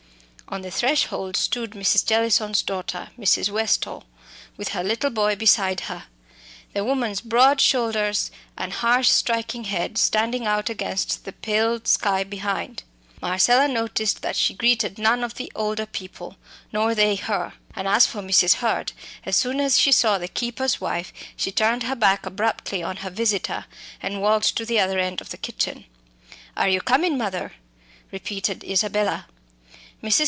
On the threshold stood Mrs. Jellison's daughter, Mrs. Westall, with her little boy beside her, the woman's broad shoulders and harsh striking head standing out against the pale sky behind. Marcella noticed that she greeted none of the old people, nor they her. And as for Mrs. Hurd, as soon as she saw the keeper's wife, she turned her back abruptly on her visitor, and walked to the other end of the kitchen. "Are you comin', mother?" repeated Isabella. Mrs.